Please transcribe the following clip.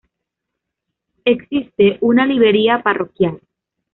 Existe una librería parroquial.